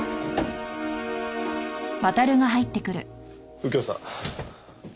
右京さん。